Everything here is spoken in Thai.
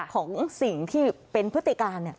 ของสิ่งที่เป็นพฤติการ